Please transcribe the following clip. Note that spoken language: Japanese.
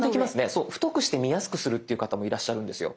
そう太くして見やすくするっていう方もいらっしゃるんですよ。